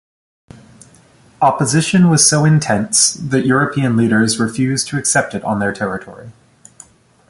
Opposition was so intense that European leaders refused to accept it on their territory.